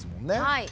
はい。